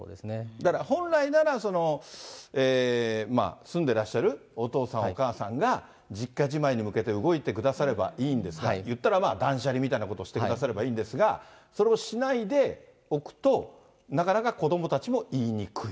だから、本来なら、住んでらっしゃるお父さん、お母さんが、実家じまいに向けて動いてくださればいいんですが、いったら、断捨離みたいなことをしてくださればいいんですが、それをしないでおくと、なかなか子どもたちも言いにくい。